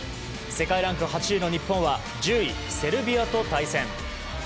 世界ランク８位の日本は１０位、セルビアと対戦。